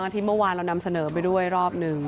ที่เมื่อวานเรานำเสนอไปด้วยรอบหนึ่ง